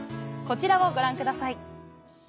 こちらをご覧ください。